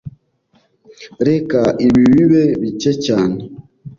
Reka ibi bibe bike cyane